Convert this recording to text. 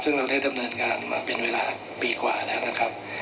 ซึ่งเราได้ดำเนินการมาเป็นเวลาปีกว่าแล้วนะครับ